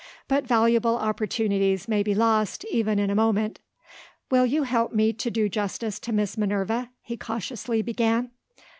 But valuable opportunities may be lost, even in a moment. "Will you help me to do justice to Miss Minerva?" he cautiously began.